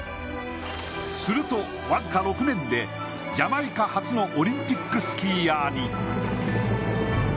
すると、僅か６年でジャマイカ初のオリンピックスキーヤーに。